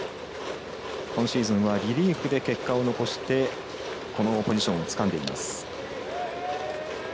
今シーズンはリリーフで結果を残してこのポジションをつかんでいます。